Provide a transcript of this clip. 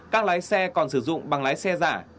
các lái xe còn sử dụng bằng lái xe giả